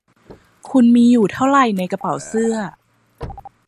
คุณมีอยู่เท่าไรในกระเป๋าเสื้อ